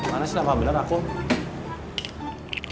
mana sih dapah bener ah kum